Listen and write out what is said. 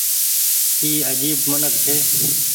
اي آجيب منک ڇي ۔